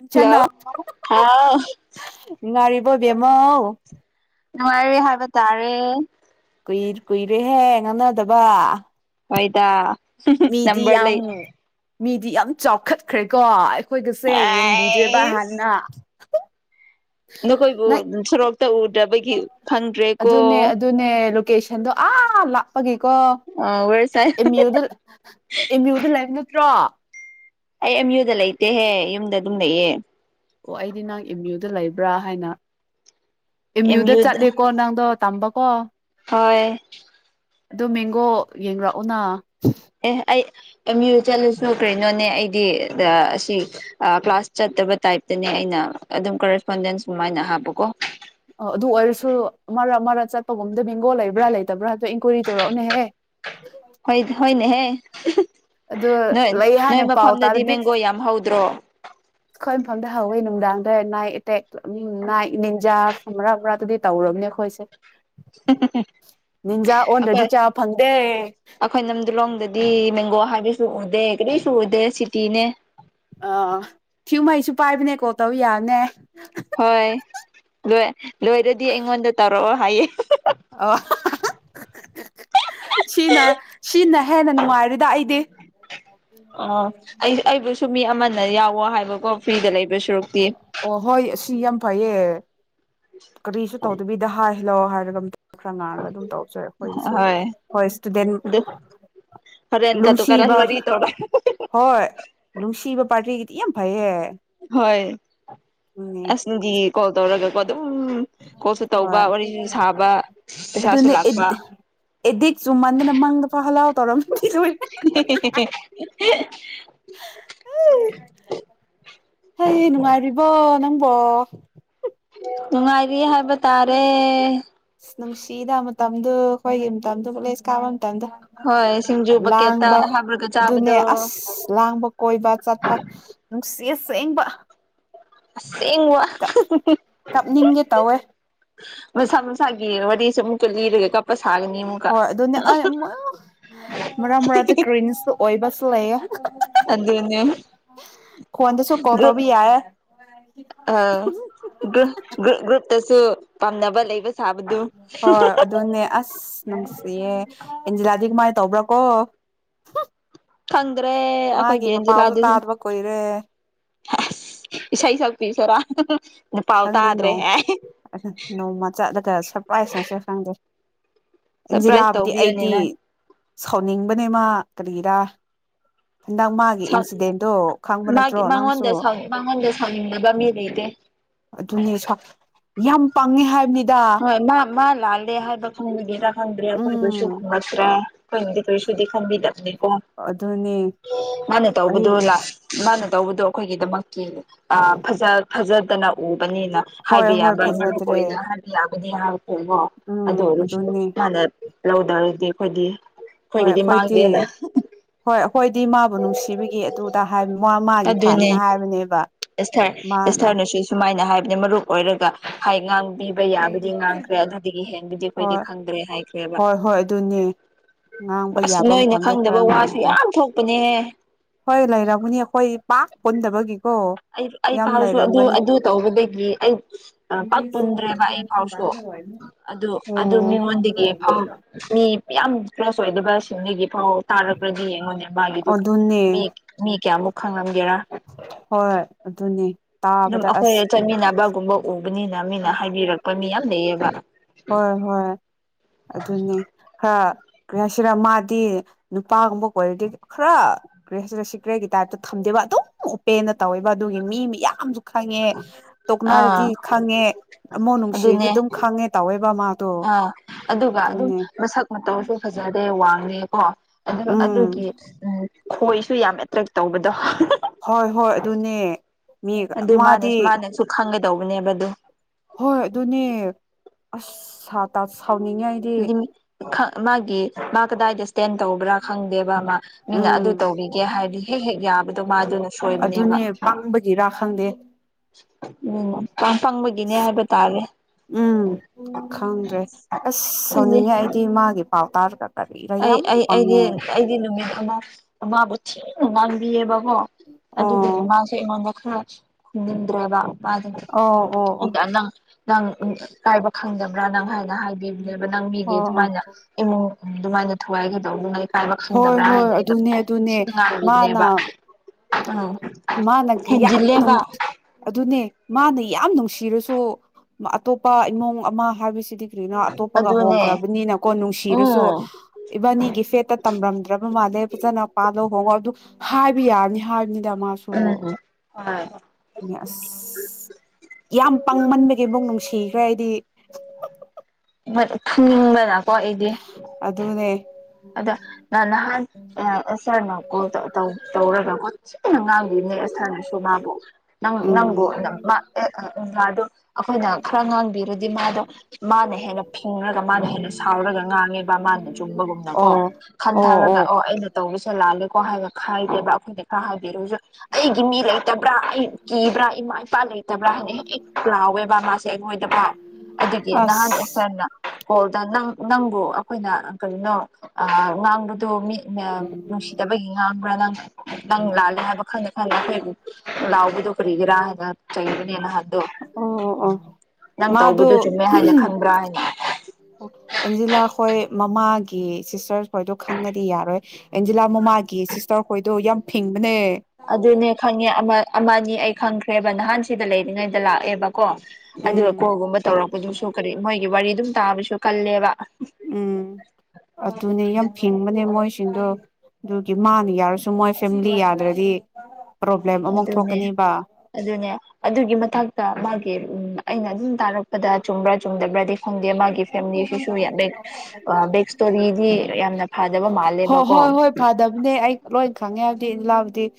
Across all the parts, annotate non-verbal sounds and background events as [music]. ꯏꯪꯆꯥꯅ hello ꯍꯥꯎ ꯅꯨꯡꯉꯥꯏꯔꯤꯕꯣ ꯕꯦꯝꯃꯧ ꯅꯨꯡꯉꯥꯏꯔꯤ ꯍꯥꯏꯕ ꯇꯥꯔꯦ ꯀꯨꯏꯗꯤ ꯀꯨꯏꯔꯦꯍꯦ ꯉꯥꯡꯅꯗꯕ ꯍꯣꯏꯗ ꯍꯨꯝ ꯍꯨꯝ ꯃꯤꯗꯤ ꯅꯝꯕꯔ ꯌꯥꯝ ꯂꯩ ꯃꯤꯗꯤ ꯌꯥꯝ ꯆꯥꯎꯈꯠꯈ꯭ꯔꯦꯀꯣ ꯑꯩꯈꯣꯏꯒꯁꯦ ꯌꯦꯡꯕꯤꯗ꯭ꯔꯦꯕ ꯑꯥꯏꯁ ꯍꯥꯟꯅ [unintelligible] ꯅꯈꯣꯏꯕꯨ ꯅꯪ ꯅꯨꯡꯁꯤꯔꯣꯛꯇ ꯎꯗꯕꯒꯤ ꯈꯪꯗ꯭ꯔꯦꯀꯣ ꯀꯦꯁꯟꯗꯣ ꯑꯥ ꯂꯥꯞꯄꯒꯤ ꯀꯣ ꯑ ꯋꯦꯔꯁꯥꯏ ꯑꯦꯝ ꯌꯨꯗ ꯑꯦꯝ ꯌꯨꯗ ꯂꯩꯕ ꯅꯠꯇ꯭ꯔꯣ ꯑꯩ ꯑꯦꯝ ꯌꯨꯗ ꯂꯩꯇꯦꯍꯦ ꯌꯨꯝꯗ ꯑꯗꯨꯝ ꯂꯩꯌꯦ ꯑꯣ ꯑꯩꯗꯤ ꯅꯪ ꯑꯦꯝ ꯌꯨꯗ ꯂꯩꯕ꯭ꯔꯥ ꯍꯥꯏꯅ ꯑꯦꯝ ꯌꯨꯗ ꯆꯠꯂꯦꯀꯣ ꯅꯪꯗꯣ ꯇꯝꯕ ꯀꯣ ꯍꯣꯏ ꯑꯗꯨ ꯃꯦꯡꯒꯣ ꯌꯦꯡꯔꯑꯣꯅ ꯑꯦ ꯑꯩ ꯑꯦꯝ ꯌꯨ ꯆꯠꯂꯁꯨ ꯀꯩꯅꯣꯅꯦ ꯑꯩꯗꯤ ꯑꯁꯤ ꯀ꯭ꯂꯥꯁ ꯆꯠꯇꯕ ꯇꯥꯏꯞꯇꯅꯦ ꯑꯩꯅ ꯑꯗꯨꯝ ꯀꯔꯦꯁꯄꯣꯟꯗꯦꯟꯁ ꯁꯃꯥꯏꯅ ꯍꯥꯞꯄꯀꯣ ꯑꯗꯨ ꯑꯣꯏꯔꯁꯨ ꯃꯔꯛ ꯃꯔꯛ ꯆꯠꯄꯒꯨꯝ ꯑꯝꯗꯕꯦꯡꯒꯣꯜ ꯂꯩꯕ꯭ꯔꯥ ꯂꯩꯇꯕ꯭ꯔꯥꯣ ꯏꯟꯀ꯭ꯋꯥꯏꯔꯤ ꯇꯧꯔꯛꯑꯣꯎꯅꯦꯍꯦ ꯍꯣꯏ ꯍꯣꯏꯅꯦꯍꯦ [inaudible] ꯑꯗꯨ ꯅꯣꯏ ꯂꯩ ꯅꯣꯏ ꯍꯥꯏꯅ ꯄꯥꯎ ꯃꯐꯝꯗꯗꯤ ꯇꯥꯔꯗꯤ ꯃꯦꯡꯒꯣ ꯌꯥꯝ ꯍꯧꯗ꯭ꯔꯣ ꯑꯩꯏꯐꯝꯗ [unintelligible] ꯍꯧꯋꯦ ꯅꯨꯡꯗꯥꯡꯗ ꯅꯥꯏ ꯑꯦꯇꯦꯛꯝ ꯅꯥꯏ [unintelligible] ꯅꯤꯟꯖꯥ ꯐꯔꯥ [unintelligible] ꯎꯔꯥ ꯑꯗꯨꯗꯤ ꯇꯧꯔꯕꯅꯦ ꯑꯩꯈꯣꯏꯁꯦ ꯅꯤꯟꯖꯥ ꯑꯩꯈꯣꯏ ꯑꯣꯟꯗ꯭ꯔꯗꯤ ꯆꯥꯕ ꯐꯪꯗꯦ ꯗꯤ ꯃꯦꯡꯒꯣ ꯍꯥꯏꯕꯤꯁꯨ ꯎꯗꯦ ꯀꯩꯗꯩꯁꯨ ꯎꯗꯦ ꯁꯤꯇꯤꯅꯦ ꯑ ꯊꯤꯌꯄꯃꯩꯁꯨ ꯄꯥꯏꯕꯅꯦ ꯀꯣꯜ ꯇꯧ ꯌꯥꯗ ꯅ ꯍꯣꯏ ꯂꯣꯏ ꯂꯣꯏꯔꯗꯤ ꯑꯩꯉꯣꯟꯗ ꯇꯧꯔꯛꯑꯣ ꯍꯥꯏꯌꯦ ꯑ [unintelligible] ꯁꯤꯅ ꯁꯤꯅ ꯍꯦꯟꯅ ꯅꯨꯡꯉꯥꯏꯔ ꯑ ꯑꯩ ꯑꯩꯕꯨ [unintelligible] ꯁꯨꯝ ꯃꯤ ꯑꯃꯅ ꯌꯥꯎꯋꯣ ꯍꯥꯏꯕꯀꯣ ꯐ꯭ꯔꯤꯗ ꯂꯩꯕ ꯁꯨꯔꯨꯛꯇꯤ ꯑꯣ ꯍꯣꯏ ꯁꯤ ꯌꯥꯝ ꯐꯩꯌꯦ [inaudible] ꯀꯔꯤꯁꯣ ꯇꯣꯗꯨꯕꯤꯗꯍꯥ ꯍꯜꯂꯣ ꯍꯥꯏꯔꯒꯝ [unintelligible] ꯈꯔ ꯉꯥꯡꯉꯒ ꯑꯗꯨꯝ ꯇꯧꯔꯁꯨꯦ ꯑꯩꯈꯣꯏꯒꯤꯁꯨ ꯍꯣꯏ ꯍꯣꯏ ꯏꯁꯇꯨꯗꯦꯟ ꯑꯗꯨ ꯍꯣꯔꯦꯟ ꯀꯥꯇꯨ ꯀꯥꯔꯟ ꯅꯨꯡꯁꯤꯕ ꯋꯥꯔꯤ ꯇꯧꯔ ꯍꯣꯏ ꯅꯨꯡꯁꯤꯕ ꯄꯥꯔꯇꯤ ꯌꯥꯝ ꯐꯌꯦ ꯍꯣꯏ ꯑꯁ ꯅꯨꯡꯇꯤꯒꯤ ꯀꯣꯜ ꯇꯧꯔꯒ ꯑꯗꯨꯝ ꯀꯣꯜꯁꯨ ꯇꯧꯕ ꯍꯣꯏ ꯋꯥꯔꯤꯁꯨ ꯁꯥꯕ ꯄꯩꯁꯥꯁꯨ ꯑꯗꯨꯅꯦ ꯂꯥꯛꯄ ꯇꯔꯝ ꯄꯨꯁꯨ [unintelligible] ꯑꯣ ꯅꯨꯡꯉꯥꯏꯔꯤ ꯍꯥꯏꯕ ꯇꯥꯔꯦ ꯑꯁ ꯅꯨꯡꯁꯤꯗ ꯃꯇꯝꯗꯨ ꯑꯩꯈꯣꯏꯒꯤ ꯃꯇꯝꯗꯨ ꯀꯣꯂꯦꯁ ꯀꯥ ꯃꯇꯝꯗ ꯍꯣꯏ ꯁꯤꯡꯖꯨ ꯕꯛꯀꯦꯠꯇ ꯂꯥꯡꯕ ꯍꯥꯞꯔꯒ ꯑꯗꯨꯅꯦ ꯆꯥꯕꯗꯣ ꯑꯁ ꯂꯥꯡꯕ ꯀꯣꯏꯕ ꯆꯠꯄ ꯅꯨꯡꯁ ꯌꯦ ꯁꯦꯡꯕ ꯆꯦꯡ ꯕ ꯀꯞꯅꯤꯡꯒꯦ ꯇꯧꯋꯦ ꯃꯁꯥ ꯃꯁꯥꯒꯤ ꯋꯥꯔꯤ ꯆꯥꯃꯨꯛ ꯀ ꯂꯤꯔꯒ ꯀꯄꯥꯁ ꯍꯣꯏ ꯑꯗꯨꯅꯦ ꯑꯩ ꯑꯃꯨ ꯃꯔꯛ ꯃꯔꯛ ꯇꯥ ꯀ꯭ꯔꯤꯟꯁꯇ ꯑꯣꯏꯕꯁꯨ ꯂꯩꯌꯦ ꯑꯗꯨꯅꯦ ꯈꯨꯟꯗꯁꯨ ꯀꯣꯜ ꯒ꯭ꯔꯨꯞ ꯇꯧꯕꯥ ꯌꯥ ꯑ ꯒ꯭ꯔꯨꯞ ꯒ꯭ꯔꯨꯞ ꯒ꯭ꯔꯨꯞꯇꯁꯨ ꯄꯥꯝꯅꯕ ꯂꯩꯕ ꯁꯥꯕꯗꯨ ꯍꯣꯏ ꯑꯗꯨꯅꯦ ꯑꯁ ꯅꯨꯡꯁꯤꯌꯦ ꯏꯟꯖꯤꯌꯥꯗꯤ ꯀꯃꯥꯏꯅ ꯇꯧꯕ꯭ꯔꯥ ꯀꯣ ꯈꯪ ꯃꯥꯒꯤ ꯃꯄꯥꯎꯁꯨ ꯇꯥꯗꯕ ꯀꯨꯏꯔꯦ ꯍꯦꯁ ꯏꯁꯩ ꯁꯛꯄꯤ ꯑꯞꯁꯔꯥ ꯈꯪꯗꯦ ꯅꯣꯡ ꯅꯣꯡꯃ ꯆꯠꯂꯒ ꯁꯔꯄ꯭ꯔꯥꯏꯖ ꯇꯧꯁꯦꯔꯥ ꯈꯪꯗꯦ ꯑꯟꯖꯤꯂꯥ ꯁꯔꯄ꯭ꯔꯥꯏꯖ ꯕꯨꯗꯤ ꯇꯧꯕꯤꯌꯨꯅꯦ ꯑꯩꯗꯤ ꯅꯪ ꯁꯥꯎꯅꯤꯡꯕꯅꯦ ꯃꯥ ꯀꯔꯤꯒꯤꯔꯥ ꯃꯥꯒꯤ ꯅꯠꯇ꯭ꯔꯣ ꯅꯪꯁꯨ ꯃꯉꯣꯟꯗ ꯃꯉꯣꯟꯗ ꯁꯥꯎꯅꯤꯡꯗꯕ ꯃꯤ ꯂꯩꯇꯦ ꯑꯗꯨꯅꯤ ꯁꯛ ꯌꯥꯝ ꯄꯥꯡꯉꯦ ꯍꯥꯏꯕꯅꯤ ꯍꯣꯏ ꯃꯥ ꯃꯥ ꯂꯥꯜꯂꯦ ꯍꯥꯏꯕ ꯈꯪꯕꯒꯤꯔꯥꯥ ꯈꯟꯗ꯭ꯔꯦ ꯑꯈꯣꯏꯕꯨꯁꯨꯨ ꯎꯝ ꯅꯁ꯭ꯔ ꯈꯣꯏꯅꯥꯗꯤ ꯀꯔꯤꯁꯨꯗꯤ ꯈꯟꯕꯤꯗꯕꯅꯦ ꯑꯣ ꯑꯗꯨꯅꯦ ꯃꯥꯅ ꯑꯩ ꯇꯧꯕꯗꯨ ꯃꯥꯅ ꯇꯧꯕꯗꯣ ꯑꯩꯈꯣꯏꯒꯤꯗꯃꯛ ꯀꯤ ꯑ ꯐꯖ ꯐꯖꯗꯅ ꯎꯕꯅꯤꯅ ꯍꯣꯏ ꯍꯥꯏꯕ ꯍꯣꯏ ꯌꯥꯕ ꯃꯔꯨ ꯐꯖꯗ꯭ꯔꯦ ꯑꯣꯏꯅ [unintelligible] ꯅꯤ ꯀꯩꯅꯣ ꯑꯗꯣ ꯎꯝ ꯅꯨꯡꯁꯤ ꯑꯗꯨꯅꯦ ꯍꯥꯅꯥ ꯂꯧꯗꯔꯗꯤ ꯑꯩꯈꯣꯏꯗꯤ ꯍꯣꯏ ꯑꯩꯈꯣꯏꯒꯤꯗꯤ ꯑꯩꯈꯣꯏꯗꯤ ꯃꯥꯡꯗꯦꯅ ꯍꯣꯏ ꯑꯩꯈꯣꯏꯗꯤ ꯃꯥꯕꯨ ꯅꯨꯡꯁꯤꯕꯒꯤ ꯑꯗꯨꯗ ꯃꯥ ꯃꯥꯒꯤ ꯑꯗꯨꯅꯦ ꯐꯅ ꯍꯥꯏꯕꯅꯦꯕ ꯃꯥꯅ ꯅ ꯃꯔꯨꯞ ꯑꯣꯏꯔꯒ ꯍꯥꯏ ꯉꯥꯡꯕꯤ ꯑꯩ ꯌꯥꯕꯨꯗꯤ ꯉꯥꯡꯈ꯭ꯔꯦ ꯑꯗꯨꯗꯒꯤ ꯍꯦꯟꯕꯨꯗꯤ ꯑꯩꯈꯣꯏꯗꯤ ꯍꯣꯏ ꯈꯪꯗ꯭ꯔꯦ ꯍꯥꯏꯈ꯭ꯔꯦꯕ ꯍꯣꯏ ꯍꯣꯏ ꯑꯗꯨꯅꯦ ꯉꯥꯡꯕ ꯑꯁ ꯌꯥꯕ ꯅꯣꯏꯅ ꯃꯐꯝꯗ ꯈꯔ ꯈꯪꯗꯕ ꯋꯥꯁꯨ ꯉꯥꯡꯈ꯭ꯔꯦ ꯌꯥꯝ ꯊꯣꯛꯄꯅꯦꯍ ꯍꯣꯏ ꯂꯥꯏꯔ ꯑꯃꯅꯤꯅꯤ ꯑꯩꯈꯣꯏ ꯄꯥꯛ ꯄꯣꯟꯟꯗꯕꯒꯤ ꯑꯩ ꯑꯩ ꯐꯥꯎꯁꯨ ꯑꯗꯨ ꯑꯗꯨ ꯇꯧꯕꯗꯒꯤ ꯑꯩ ꯄꯥꯛ ꯄꯨꯟꯗ꯭ꯔꯦꯕ ꯑꯩ ꯐꯥꯎꯁꯨ ꯑꯗꯨ ꯑꯗꯨ ꯑꯣ ꯃꯤꯉꯣꯟꯗꯒꯤ ꯐꯥꯎ ꯃꯤ ꯌꯥꯝ ꯄ꯭ꯂꯁ ꯑꯣꯏꯗꯕꯁꯤꯡꯒꯤ ꯑꯧ ꯇꯥꯔꯛꯄ꯭ꯔꯗꯤ ꯌꯦꯡꯉꯣꯟꯗ ꯃꯥꯒꯤꯗꯨ ꯃꯤ ꯑꯗꯨꯅꯦ ꯃꯤ ꯀꯌꯥꯃꯨꯛ ꯈꯪꯂꯝꯒꯦꯔꯥ [inaudible] ꯍꯣꯏ ꯍꯣꯏ ꯑꯗꯨꯅꯦ ꯇꯥꯕꯗ ꯑꯁ ꯕꯅꯤꯅ ꯃꯤꯅ ꯍꯥꯏꯕꯤꯔꯛꯄ ꯃꯤ ꯌꯥꯝ ꯂꯩꯌꯦꯕ ꯍꯣꯏ ꯍꯣꯏ ꯑꯗꯨꯅꯤ ꯀꯁꯤꯔ ꯃꯥꯗꯤ ꯄꯄꯥꯒꯨꯝꯕ ꯀ꯭ꯋꯥꯂꯤꯇꯤ ꯈꯔ ꯀ꯭ꯔꯦ ꯁꯤ ꯁꯤ ꯀ꯭ꯔꯦꯒꯤ ꯇꯥꯏꯞꯇ ꯊꯝꯗꯦꯕ ꯑꯗꯨꯝ ꯎꯞꯄꯦꯟꯅ ꯇꯧꯋꯦꯕ ꯑꯗꯨꯒꯤ ꯃꯤ ꯌꯥꯝꯌꯥꯝꯁꯨ ꯈꯪꯉꯦ ꯑꯥ ꯇꯣꯛꯅꯥꯔꯗꯤ ꯈꯪꯉꯦ ꯑꯃꯣ ꯅꯨꯡꯁꯤꯔꯗꯤ ꯑꯗꯨꯅꯦ ꯑꯗꯨꯝ ꯈꯪꯉꯦ ꯃꯥꯗꯣ ꯑꯥ ꯑꯗꯨꯒ ꯑꯗꯨꯝ ꯑꯗꯨꯅꯦ ꯃꯁꯛ ꯃꯇꯧꯁꯨ ꯐꯖꯗꯦ ꯋꯥꯡꯉ ꯑ ꯀꯣ ꯑꯗꯨ ꯎꯝ ꯑꯗꯨꯒꯤ ꯎ ꯈꯣꯏꯁꯨ ꯌꯥꯝ ꯑꯦꯇ꯭ꯔꯦꯛ ꯇꯧꯕꯗꯣ ꯍꯣꯏ ꯍꯣꯏ ꯑꯗꯨꯅꯦ ꯃꯤ ꯑꯗꯨ ꯃꯥꯗꯤ ꯃꯥꯅꯁꯨ ꯃꯥꯅꯁꯨ ꯈꯪꯉꯩ ꯇꯧꯕꯅꯦꯕ ꯑꯗꯨ ꯍꯣꯏ ꯑꯗꯨꯅꯦ ꯑꯁ ꯇ ꯁꯥꯎꯅꯤꯡꯉꯥꯏꯗꯤ ꯃꯥꯒꯤ ꯃꯥꯀꯗꯥꯗꯤꯁ ꯦꯟ ꯇꯧꯕ꯭ꯔꯥ ꯈꯪꯗꯦꯕ ꯑꯃ ꯃꯤꯅ ꯑꯗꯨ ꯎꯝ ꯇꯧꯕꯤꯒꯦ ꯍꯥꯏꯔꯗꯤ ꯍꯦꯛ ꯍꯦꯛ ꯌꯥꯕꯗꯣ ꯃꯥꯗꯨꯅ ꯁꯣꯏꯕꯅꯦꯕ ꯑꯗꯨꯅꯦ ꯄꯪꯕꯒꯤꯔꯥ ꯈꯪꯗꯦ ꯎ ꯎꯝ ꯈꯪꯗ꯭ꯔꯦ ꯑꯁ ꯑ ꯁꯥꯎꯅꯤꯡꯉꯦ ꯑꯩꯗꯤ ꯃꯥꯒꯤ ꯄꯥꯎ ꯇꯥꯔ ꯑꯩ ꯑꯩ ꯑꯩꯒꯤ ꯑꯩꯒꯤ ꯅꯨꯃꯤꯠ ꯑꯃ ꯑꯃꯕꯨ ꯒꯤꯌꯦꯕꯥ ꯑꯣ ꯑꯗꯨꯗꯒꯤ ꯑꯣ ꯃꯥꯁꯦ ꯑꯩꯉꯣꯟꯗ ꯈꯔ ꯗ꯭ꯔ ꯋꯥ ꯑꯣ ꯑꯣ ꯏ ꯑꯣ ꯅꯪ ꯀꯥꯏꯕ ꯈꯪꯗꯕ꯭ꯔꯥ ꯅꯪ ꯍꯥꯏꯅ ꯍꯥꯏꯕꯤꯕꯥ ꯕ ꯅꯪ ꯃꯤꯒꯤ ꯑꯣ ꯑꯣ ꯑꯗꯨꯃꯥꯏꯅ ꯏꯃꯨꯡ ꯑꯗꯨꯃꯥꯏꯅ ꯊꯨꯒꯥꯏꯒꯗꯧꯕ ꯑꯗꯨꯅ ꯍꯣꯏ ꯍꯣꯏ ꯑꯗꯨꯅꯦ ꯑꯗꯨꯅꯦ ꯃꯥꯅ ꯉꯥꯡꯕꯤꯕꯅꯦꯕ ꯎꯝ ꯃꯥꯅ ꯌꯥꯝ ꯍꯦꯟꯖꯤꯜꯂꯦꯕ ꯑꯗꯨꯅꯦ ꯃꯥꯅ ꯌꯥꯝ ꯅꯨꯡꯁꯤ ꯁꯤꯤꯔꯁꯨ ꯑꯇꯣꯞꯄ ꯏꯃꯨꯡ ꯑꯃ ꯍꯥꯏꯕꯁꯤꯗꯤ ꯀꯅꯣ ꯑꯇꯣꯞꯄꯒ ꯑꯗꯨꯅꯦ ꯍꯣꯡꯈ꯭ꯔꯕꯅꯤꯅꯀꯣ ꯅꯨꯡꯁꯤꯔꯁꯨ ꯎꯝ ꯏꯕꯥꯅꯤꯒꯤ ꯐꯦꯠꯇ ꯇꯝꯂꯝꯝꯗ꯭ꯔꯕ ꯃꯥꯜꯂꯦ ꯐꯖꯅ ꯄꯥꯜꯂ ꯍ ꯑꯗꯨ ꯍꯥꯏꯕ ꯌꯥꯅꯤ ꯍꯥꯏ ꯃꯥꯁꯨ ꯎꯝ ꯍꯣꯏ ꯑꯁ ꯌꯥꯝ ꯄꯥꯡꯃꯟꯕꯒꯤꯕꯨꯨꯛ ꯅꯨꯡꯁꯤꯠ ꯊꯀ꯭ꯔ ꯏꯗꯤ ꯊꯅꯤꯡꯕ ꯂꯥꯛ ꯀꯣꯗꯤ ꯑꯗꯨꯅꯦ ꯑꯗ ꯅꯥꯟ ꯍꯥꯥꯟ ꯁꯔꯀꯣ ꯇꯧ ꯇꯧꯔꯒ ꯀꯣ ꯊꯤꯅ ꯉꯥꯡꯗꯣꯏꯅꯦ ꯁꯥꯔꯅꯁꯨꯣ ꯃꯥꯕꯨ ꯅꯪ ꯅꯪꯒꯣ ꯎꯝ ꯒꯥꯥꯗꯣ ꯑꯩꯈꯣꯏꯅ ꯈꯔ ꯉꯥꯡꯕꯤꯔꯗꯤ ꯃꯥꯗꯣ ꯃꯥꯅ ꯍꯦꯟꯅ ꯐꯤꯡꯉꯒ ꯃꯥꯅ ꯍꯦꯟꯅ ꯁꯥꯎꯔꯒ ꯉꯥꯡꯉꯦꯕ ꯃꯥꯅ ꯆꯨꯝꯕꯒꯨꯝꯕ ꯀꯣ ꯈꯟꯊꯔꯒ ꯑꯣ ꯑꯩꯅ ꯇꯧꯕꯁꯦ ꯂꯥꯜꯂꯦꯀꯣ ꯍꯥꯏꯒ ꯈꯥꯏꯗꯦꯕ ꯑꯩꯈꯣꯏꯅ ꯈꯔ ꯍꯥꯏꯕꯤꯔꯨꯁꯨ ꯑꯩꯒꯤ ꯃꯤ ꯂꯩ ꯕ꯭ꯔꯥ ꯑꯩ ꯀꯤꯕ꯭ꯔꯥ ꯏꯃꯥ ꯏꯄꯥ ꯂꯩꯇꯕ꯭ꯔꯥ ꯍꯥꯏꯅ ꯍꯦꯛ ꯍꯦꯛ ꯂꯥꯎꯋꯦꯕ ꯃꯥꯁꯦ ꯑꯩꯉꯣꯏꯗ ꯄ ꯑꯗꯨꯒꯤ ꯅꯍꯥꯟ ꯑꯁ ꯑꯦꯁꯔꯅ ꯍꯣꯜꯗ ꯅꯪ ꯅꯪꯕꯨ ꯑꯩꯈꯣꯏꯅ ꯀꯔꯤꯅꯣ ꯑ ꯉꯥꯡꯕꯗꯣ ꯃꯤ ꯅꯨꯡꯁꯤꯗꯕꯒꯤ ꯉꯥꯡꯕ꯭ꯔꯥ ꯅꯪ ꯅꯪ ꯂꯥꯜꯂꯦ ꯍꯥꯏꯕ ꯈꯪꯗꯦ ꯈꯪꯗꯦ ꯑꯩꯈꯣꯏꯕꯨ ꯂꯥꯎꯎꯕꯤꯗꯨ ꯐꯔꯤꯒꯔꯥ ꯍꯥꯏ ꯆꯪꯗꯅꯤꯅ ꯍꯥꯏ ꯑꯣ ꯑꯣ ꯑꯣ ꯃꯥꯗꯨ ꯇꯧꯕꯗꯨ ꯆꯨꯝꯃꯦ ꯍꯥꯏꯅ ꯈꯟꯕ꯭ꯔꯥ ꯍꯥꯏꯅ ꯑꯦꯟꯖꯤꯂꯥ ꯍꯣꯏ ꯃꯃꯥꯒꯤ ꯁꯤꯁꯇꯔ ꯍꯣꯏꯗꯣ ꯈꯪꯉꯗꯤ ꯌꯥꯔꯣꯏ ꯑꯦꯟꯖꯤꯂꯥ ꯃꯃꯥꯒꯤ ꯁꯤꯁꯇꯔ ꯍꯣꯏꯗꯣ ꯌꯥꯝ ꯐꯤꯡꯕꯅꯦ ꯑꯗꯨꯅꯦ ꯈꯪꯉꯦ ꯑꯃ ꯑꯃꯅꯤ ꯑꯩ ꯈꯪꯈ꯭ꯔꯦꯕ ꯅꯍꯥꯟ ꯁꯤꯗ ꯂꯩꯔꯤꯉꯩꯗ ꯂꯥꯛꯑꯦꯕ ꯀꯣ ꯑꯗꯨꯒ ꯎꯝ ꯀꯣꯜꯒꯨꯝꯕ ꯇꯧꯔꯛꯄꯗꯨꯁꯨ ꯀꯔꯤ ꯃꯣꯏꯒꯤ ꯋꯥꯔꯤ ꯑꯗꯨꯝ ꯇꯥꯕꯁꯨ ꯀꯜꯂꯦꯕ ꯎꯝ ꯑꯗꯨꯅꯦ ꯌꯥꯝ ꯐꯤꯡꯕꯅꯦ ꯃꯣꯏꯁꯤꯡꯗꯣ ꯑꯗꯨꯒꯤ ꯃꯥꯅ ꯌꯥꯔꯁꯨ ꯃꯣꯏ ꯐꯦꯃꯤꯂꯤ ꯌꯥꯗ꯭ꯔꯗꯤ ꯄ꯭ꯔꯣꯕ꯭ꯂꯦꯝ ꯑꯃꯨꯛ ꯑꯗꯨꯅꯦ ꯊꯣꯛꯀꯅꯤꯕ ꯑꯗꯨꯅꯦ ꯑꯗꯨꯒꯤ ꯃꯊꯛꯇ ꯃꯥꯒꯤ ꯎꯝ ꯑꯩꯅ ꯑꯗꯨꯝ ꯇꯥꯔꯛꯄꯗ ꯆꯨꯝꯕ꯭ꯔꯥ ꯆꯨꯝꯗꯕ꯭ꯔꯗꯤ ꯈꯪꯗꯦ ꯃꯥꯒꯤ ꯐꯦꯃꯤꯂꯤꯁꯤꯁꯨ ꯌꯥꯝ ꯦꯛ ꯕꯦꯛ ꯏꯁꯇꯣꯔꯤꯗꯤ ꯌꯥꯝꯅ ꯐꯗꯕ ꯍꯣꯏ ꯃꯥꯜꯂꯦꯕꯀꯣ ꯂꯥꯕꯨꯗꯤ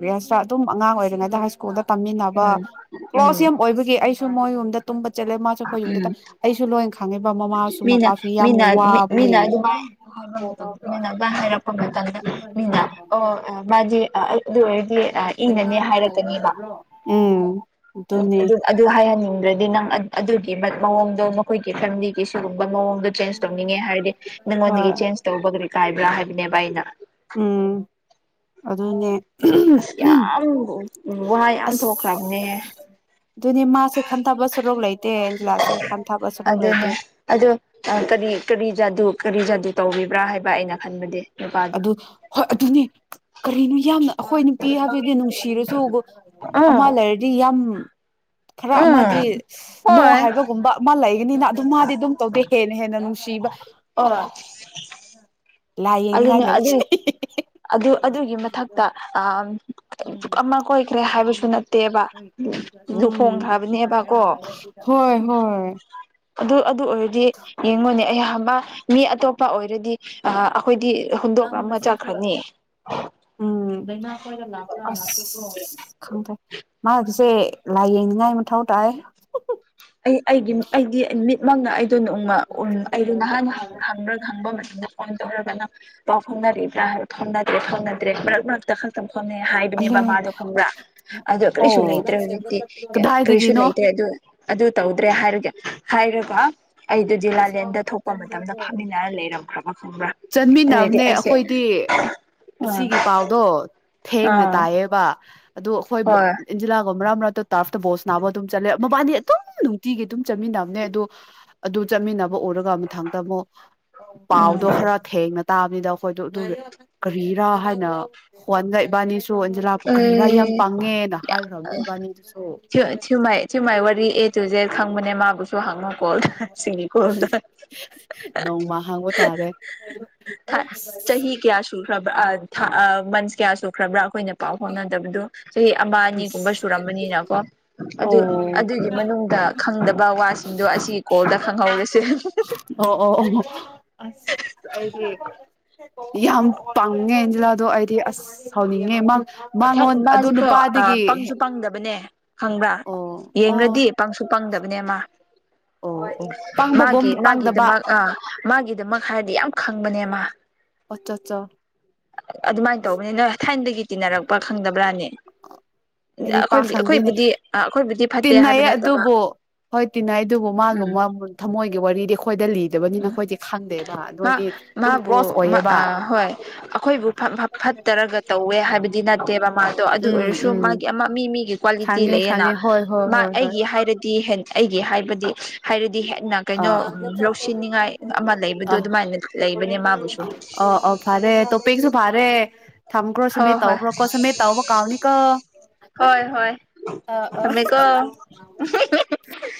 ꯔꯤꯌꯥꯁ ꯑꯗꯨꯝ ꯑꯉꯥꯡ ꯑꯣꯏꯔꯤꯉꯩꯗ ꯍꯥꯏ ꯁ꯭ꯀꯨꯜꯗ ꯇꯝꯃꯤꯟꯅꯕ ꯎꯝ ꯎꯝ ꯀ꯭ꯂꯣꯁ ꯌꯥꯝ ꯑꯣꯏꯕꯒꯤ ꯑꯩ ꯃꯣꯏ ꯌꯨꯝꯝꯗ ꯇꯨꯝꯕ ꯆꯠꯂꯦ ꯃꯥꯁꯨ ꯑꯩꯈꯣꯏ ꯌꯨꯝꯗꯇ ꯑꯩ ꯃꯤꯅ ꯃꯤꯅ ꯋꯥꯕꯅꯦ ꯃꯤꯅ ꯑꯗꯨꯃꯥꯏ ꯍꯥꯏꯕ ꯃꯇꯝꯗ ꯃꯤꯅ ꯑꯗꯨꯃꯥꯏ ꯍꯥꯏꯔꯛꯄ ꯃꯇꯝꯗ ꯃꯤꯅ ꯑꯣ ꯃꯥꯗꯤ ꯑꯗꯨ ꯏꯪꯅꯅꯦ ꯍꯥꯏꯔꯛꯀꯅꯦꯕ ꯎꯝ ꯑꯗꯨꯅꯦ ꯑꯗꯨ ꯑꯗꯨ ꯍꯥꯏꯍꯟꯅꯤꯡꯉꯤ ꯗꯤ ꯅꯪ ꯑꯗꯨꯒꯤ ꯃꯑꯣꯡꯗꯣ ꯃꯈꯣꯏꯒꯤ ꯐꯦꯃꯤꯂꯤ ꯁꯤꯒꯨꯝꯕ ꯃꯑꯣꯡꯗꯣ ꯆꯦꯟꯖ ꯇꯧꯅꯤꯡꯉꯦ ꯍꯥꯏꯔꯗꯤ ꯅꯪꯉꯣꯟꯗꯒꯤ ꯍꯣꯏ ꯆꯦꯟꯖ ꯇꯧꯕꯒ ꯀꯥꯏꯕ꯭ꯔꯥ ꯍꯥꯏꯕꯅꯦꯕ ꯑꯩꯅ ꯎꯝ ꯑꯗꯨꯅꯦ ꯑꯁ ꯌꯥꯝ ꯎ ꯋꯥꯍ ꯌꯥꯝ ꯊꯣꯛꯈ꯭ꯔꯕꯅꯦ ꯑꯗꯨꯅꯤ ꯃꯥꯁꯦ ꯈꯟꯊꯕ ꯁꯨꯔꯣꯛ ꯂꯩꯇꯦ ꯑꯦꯟꯖꯤꯂꯥꯁꯦ ꯈꯟꯊꯕ ꯁꯔꯨꯛ ꯑꯗꯨꯅꯦ ꯂꯩꯇꯦ ꯑꯗꯣ ꯀꯔꯤ ꯀꯔꯤꯖꯥꯗꯨ ꯀꯔꯤꯖ ꯑꯗꯨ ꯇꯧꯕꯤꯕ꯭ꯔꯥ ꯍꯥꯏꯕ ꯑꯩꯅ ꯈꯟꯕꯗꯤ ꯅꯨꯄꯥꯗꯣ ꯑꯗꯨ ꯍꯣꯏ ꯑꯗꯨꯅꯤ ꯀꯔꯤꯅꯣ ꯌꯥꯝꯅ ꯑꯩꯈꯣꯏ ꯅꯨꯄꯤ ꯍꯥꯏꯕꯗꯤ ꯅꯨꯡꯁꯤꯔꯁꯨ ꯑꯃ ꯎꯝ ꯂꯩꯔꯗꯤ ꯌꯥꯝ ꯈꯔ ꯎꯝ ꯑꯃꯗꯤ ꯅꯣ ꯍꯣꯏ ꯍꯥꯏꯕꯒꯨꯝꯕ ꯑꯃ ꯂꯩ ꯅꯤꯅ ꯑꯗꯨꯝ ꯃꯥꯗꯤ ꯑꯗꯨꯝ ꯇꯧꯗꯦ ꯍꯦꯟꯅ ꯍꯦꯟꯅ ꯕ ꯑꯣ ꯑ ꯂꯌꯦꯅꯤ [inaudible] ꯑꯗꯨꯅꯦ ꯑꯗꯨꯏ ꯑꯗꯨ ꯑꯗꯨꯒꯤ ꯃꯊꯛꯇ ꯑ ꯑꯃ ꯀꯣꯏꯈ꯭ꯔꯦ ꯍꯥꯏꯕꯁꯨ ꯅꯠꯇꯦꯕ ꯎꯝ ꯂꯨꯍꯣꯡꯈ꯭ꯔꯕꯅꯦꯕ ꯀꯣ ꯍꯣꯏ ꯍꯣꯏ ꯑꯗꯨ ꯑꯗꯨ ꯑꯣꯏꯔꯗꯤ ꯌꯦꯡꯉꯣꯅꯦ ꯑꯩꯍꯥꯛ ꯃꯤ ꯑꯇꯣꯞꯄ ꯑꯣꯏꯔꯗꯤ ꯑꯩꯈꯣꯏꯗꯤ ꯍꯨꯝꯗꯣ ꯀ ꯃ ꯆ ꯎꯝ ꯂꯅꯥ ꯈꯣꯏ ꯈꯪꯗ꯭ꯔꯦ ꯃꯥ ꯁꯦ ꯂꯥꯏ ꯌꯦꯡꯅꯤꯡꯉꯥꯏ ꯃꯊꯧ ꯇꯥꯏ ꯑꯩ ꯑꯩꯒꯤ ꯑꯩꯗꯤ ꯃꯤꯠꯃꯛꯪꯅ ꯑꯩ ꯑꯗꯨ ꯎ ꯎ ꯑꯩꯗ ꯅꯍꯥꯟ ꯍꯪꯕ꯭ꯔꯥ ꯈꯪꯕ ꯃꯇꯝꯗ ꯐꯣꯟ ꯇꯧꯔꯒꯅ ꯄ ꯐꯔꯤꯕ꯭ꯔ ꯍꯥꯏ ꯐꯥꯎꯗ꯭ꯔꯦ ꯐꯥꯎꯗ꯭ꯔꯦ ꯃꯔ ꯊ ꯈꯣꯅ ꯍꯥꯏꯕꯅꯦ ꯑꯂꯦ ꯕꯃꯥꯗꯣ ꯈꯪꯕ꯭ꯔꯥ ꯑꯗꯣ ꯑꯣ ꯀꯔꯤꯁꯨ ꯂꯩꯇ꯭ꯔꯦ ꯍꯧꯖꯤꯛꯇꯤ ꯀꯔꯤꯁꯨ ꯀꯗꯥꯏꯗꯒꯤꯅꯣ ꯂꯩꯇ꯭ꯔꯦ ꯑꯗꯨ ꯑꯗꯨ ꯇꯧꯗ꯭ꯔꯦ ꯍꯥꯏꯔꯒꯦ ꯍꯥꯏꯔꯒ ꯑꯩꯗꯨꯗꯤ ꯂꯥꯂꯦꯟꯗ ꯊꯣꯛꯄ ꯃꯇꯝꯗ ꯐꯥꯃꯤꯟꯅꯔ ꯂꯩꯔꯝꯈ꯭ꯔꯕ ꯈꯪꯕ꯭ꯔꯥ ꯑꯗꯨꯗꯤ ꯆꯟꯃꯤꯟꯅꯕꯅꯦ ꯑꯩꯁꯦ ꯑꯩꯈꯣꯏꯗꯤ ꯑꯥ ꯑꯁꯤꯒꯤ ꯄꯥꯎꯗꯣ ꯊꯦꯡꯅ ꯑꯥ ꯇꯥꯏꯌꯦꯕ ꯑꯗꯣ ꯑꯩꯈꯣꯏꯕ ꯍꯣꯏ ꯏꯟꯖꯤꯂꯥꯒꯕ ꯃꯔꯥ ꯃꯔ ꯇꯥꯔꯐꯇ ꯕꯣꯜꯁ ꯅꯥꯕ ꯑꯗꯨꯝ ꯆꯠꯂꯦ ꯃꯕꯥꯅꯤ ꯑꯗꯨꯝ ꯅꯨꯡꯇꯤꯒꯤ ꯑꯗꯨꯝ ꯆꯠꯃꯤꯟꯅꯕꯅꯦ ꯑꯗꯨ ꯑꯗꯨ ꯆꯠꯃꯤꯟꯅꯕ ꯎꯔꯒ ꯃꯊꯪꯗ ꯑꯃꯨꯛ ꯎꯝ ꯄꯥꯎꯗꯣ ꯈꯔ [inaudible] ꯀꯔꯤꯔꯥ ꯌꯥꯝ ꯄꯪꯉꯦꯅ ꯍꯥꯏꯈ꯭ꯔꯕꯅꯦ ꯏꯕꯥꯅꯤꯗꯨꯁꯨ ꯎ ꯊꯌꯃꯥꯏ ꯋꯥꯔꯤꯔꯤ ꯑꯦꯖꯨꯖꯦ ꯈꯪꯕꯅꯦ ꯃꯥ ꯀꯆꯁꯨ ꯍꯉꯛ ꯁꯤꯒꯤꯀꯣꯟꯗ ꯅꯣꯡꯃ ꯍꯪꯕ ꯇꯥꯔꯦ ꯍ ꯀꯌꯥ ꯁ ꯃꯟꯁ ꯀꯌꯥ ꯁꯈ꯭ꯔꯕ꯭ꯔꯥ ꯑꯩꯈꯣꯏꯅ ꯄꯥꯎ ꯍꯅ ꯗꯕꯗꯨ ꯆꯍꯤ ꯑꯃ ꯑꯅꯤꯒꯨꯝꯕ ꯑꯁ ꯁꯨꯔꯝꯕꯅꯤꯅꯀꯣ ꯑꯗꯨ ꯑꯣ ꯑꯗꯨꯒꯤ ꯃꯅꯨꯡꯗ ꯈꯪꯗꯕ ꯋꯥꯁꯤꯡꯗꯣ ꯑꯁꯤꯒꯤ ꯀꯣꯜꯗ ꯈꯪꯍꯧꯔꯁꯦ ꯑꯁ ꯑꯩꯗꯤ ꯌꯥꯝ ꯄꯥꯡꯉꯦ ꯏꯟꯖꯤꯂꯥꯗꯣ ꯑꯩꯗꯤ ꯑꯁ ꯁꯥꯎꯅꯤꯡꯉꯉꯦ ꯃꯉꯣꯟ ꯑꯗꯨ ꯃꯥꯁꯤꯀꯣ ꯅꯨꯄꯥꯗꯒꯤ ꯍꯪꯕ꯭ꯔꯥ ꯑꯣ ꯑꯣ ꯌꯦꯡꯗꯤ ꯄꯪꯁ ꯐꯪꯗꯕꯅꯦꯃ ꯑꯣ ꯑꯣ ꯄꯪꯕꯒꯨꯝ ꯃꯥꯒꯤꯦ ꯃꯥꯒꯤꯗꯨ ꯃꯥ ꯄꯪꯗꯕ ꯑ ꯃꯥꯒꯤ ꯑꯗꯨꯗꯃꯛ ꯍꯥꯏꯔꯗꯤ ꯌꯥꯝ ꯈꯪꯕꯅꯦꯃ ꯄꯆ ꯆ ꯑꯗꯨꯃꯥꯏꯅ ꯇꯧꯕꯅꯤꯅ ꯊꯥꯏꯅꯗꯒꯤ ꯇꯤꯟꯅꯔꯛꯄ ꯈꯪꯗꯕ꯭ꯔꯥꯅꯦ ꯑꯩꯗꯤ ꯑꯩꯈꯣꯏ ꯄꯥꯛ ꯈꯪꯗꯦꯅꯦ ꯑꯩꯈꯣꯏꯕꯨꯗꯤ ꯑꯩꯈꯣꯏꯕꯨꯗꯤ ꯐꯠꯇꯦ ꯇꯤꯟꯅꯩ ꯍꯥꯏꯕ ꯅꯠꯇꯕ ꯑꯗꯨꯕꯨ ꯍꯣꯏ ꯇꯤꯟꯅꯩ ꯑꯗꯨꯕꯨ ꯃꯥꯒ ꯎꯝ ꯊꯃꯣꯏꯒꯤ ꯋꯥꯔꯤꯗꯤ ꯑꯩꯈꯣꯏꯗ ꯂꯤꯗꯕꯅꯤꯅ ꯎꯝ ꯑꯩꯈꯣꯏꯗꯤ ꯈꯪꯗꯦꯕ ꯃꯥ ꯅꯣꯏꯗꯤ ꯑꯗꯨꯝ ꯃꯥꯕꯨ ꯀ꯭ꯂꯣꯁ ꯑꯣꯏꯌꯦꯕ ꯍꯣꯏ ꯑꯩꯈꯣꯏꯕꯨ ꯐꯠꯇꯔꯒ ꯇꯧꯋꯦ ꯍꯥꯏꯕꯗꯤ ꯅꯠꯇꯦꯕ ꯃꯥꯗꯣ ꯑꯗꯨ ꯎꯝ ꯑꯣꯏꯔꯁꯨ ꯎꯝ ꯃꯥꯒꯤ ꯑꯃ ꯃꯤ ꯃꯤꯒꯤ ꯀ꯭ꯋꯥꯂꯤꯇꯤ ꯈꯪꯉꯦ ꯂꯩꯌꯦꯅ ꯈꯪꯉꯦ ꯍꯣꯏ ꯍꯣꯏ ꯍꯣꯏ ꯍꯣꯏ ꯑꯩꯒꯤ ꯍꯥꯏꯔꯗꯤ ꯍ ꯑꯩꯒꯤ ꯍꯥꯏꯕꯗꯤ ꯍꯥꯏꯔꯗꯤ ꯀꯩꯅꯣ ꯑꯥ ꯂꯧꯁꯤꯟꯅꯤꯡꯉꯥꯏ ꯑꯃ ꯂꯩꯕꯗꯣ ꯑ ꯑꯗꯨꯃꯥꯏꯅ ꯂꯩꯕꯅꯦ ꯃꯥꯕꯨꯁꯨ ꯑ ꯑ ꯐꯔꯦ ꯇꯣ ꯄꯤꯁꯨ ꯐꯔꯦ ꯊꯝꯈ꯭ꯔꯣ ꯁꯨꯃꯦꯠ ꯍꯣꯏ ꯍꯣꯏ ꯇꯧꯈ꯭ꯔꯣꯀꯣ ꯁꯨꯃꯦꯠ ꯇꯧꯕ ꯀꯥꯎꯅꯤꯀꯣ ꯍꯣꯏ ꯍꯣꯏ ꯑ ꯑ ꯊꯝꯃꯦꯀꯣ